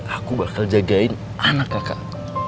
aku bakal jagain anak kakak